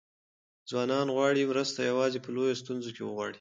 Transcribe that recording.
ځوانان غواړي مرسته یوازې په لویو ستونزو کې وغواړي.